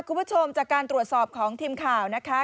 คุณผู้ชมจากการตรวจสอบของทีมข่าวนะคะ